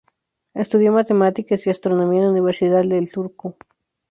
Estudió matemáticas y astronomía en la Universidad de Turku.